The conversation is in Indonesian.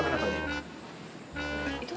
aku sama pak andri di situ